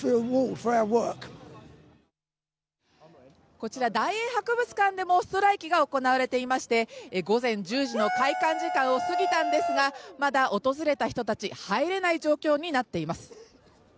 こちら大英博物館でもストライキが行われていまして午前１０時の開館時間を過ぎたんですが、まだ訪れた人たち、入れない状況になっています。